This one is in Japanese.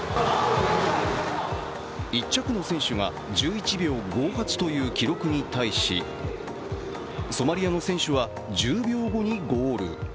１着の選手が１１秒５８という記録に対しソマリアの選手は１０秒後にゴール。